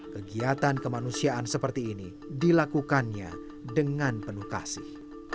kegiatan kemanusiaan seperti ini dilakukannya dengan penuh kasih